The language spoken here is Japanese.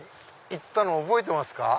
行ったの覚えてますか？